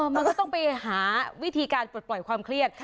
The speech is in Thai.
มันก็ต้องไปหาวิธีการปลดปล่อยความเครียด